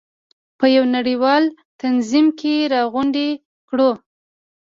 په یو نړیوال تنظیم کې راغونډې کړو.